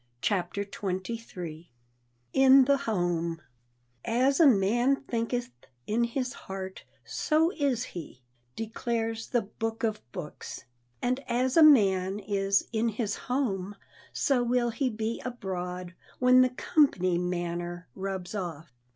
CHAPTER XXIII IN THE HOME "AS a man thinketh in his heart, so is he," declares the Book of books. And as a man is in his home, so will he be abroad, when the "company manner" rubs off.